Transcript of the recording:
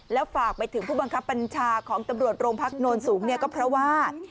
แล้วฝากไปถึงผู้บังคับบัญชาของตำรวจโรงพักโนนสูงเนี่ยก็เพราะว่า